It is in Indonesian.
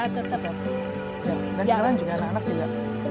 dan sekarang juga anak anak juga